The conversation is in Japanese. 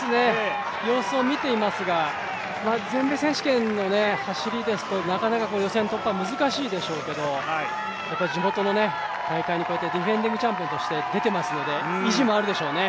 様子を見ていますが全米選手権の走りですとなかなか予選突破は難しいでしょうけどもやっぱり地元の大会にディフェンディングチャンピオンとして出てますので意地もあるでしょうね。